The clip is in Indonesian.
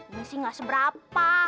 mesti nggak seberapa